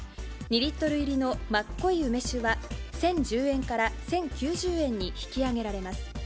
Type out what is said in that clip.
２リットル入りのまっこい梅酒は１０１０円から１０９０円に引き上げられます。